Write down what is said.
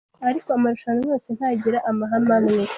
Ariko amarushanwa yose ntagira amahame amwe.